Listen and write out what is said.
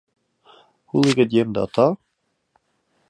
Hoe liket jim dat ta?